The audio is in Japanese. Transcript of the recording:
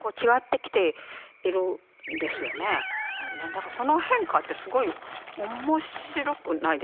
だからその変化ってすごい面白くないですか。